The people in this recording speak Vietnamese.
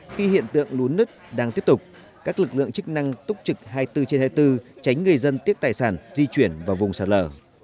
tiếp tục các lực lượng chức năng túc trực hai mươi bốn trên hai mươi bốn tránh người dân tiếc tài sản di chuyển vào vùng sạt lở